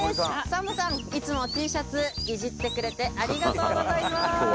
サンドさんいつもＴシャツいじってくれてありがとうございます